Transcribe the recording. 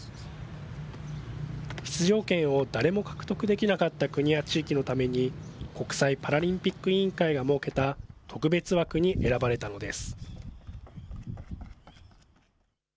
出場権を誰も獲得できなかった国や地域のために、国際パラリンピック委員会が設けた特別枠に選ばれたのです。